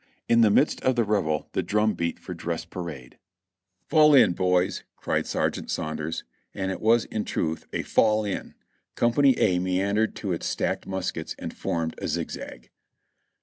In the midst of the revel the drum beat for dress parade. "Fall in, boys !" cried Sergeant Saunders, and it was in truth a THE BIVOUAC AT PETERSBURG 343 "fall in." Company A meandered to its stacked muskets and formed a zig zag.